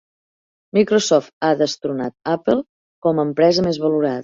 Microsoft ha destronat Apple com a empresa més valorada.